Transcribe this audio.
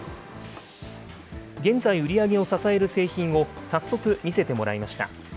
現在、売り上げを支える製品を早速、見せてもらいました。